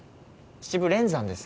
秩父連山ですね。